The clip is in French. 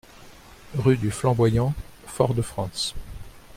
Rue du Flamboyant, Fort-de-France